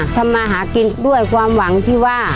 ทำมาหากินด้วยความหวังที่ว่า